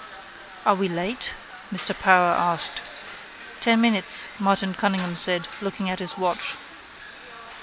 —Are we late? Mr Power asked. —Ten minutes, Martin Cunningham said, looking at his watch.